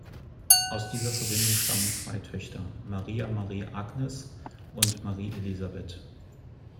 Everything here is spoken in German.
Aus dieser Verbindung stammten zwei Töchter, Maria Marie-Agnes und Marie-Elisabeth.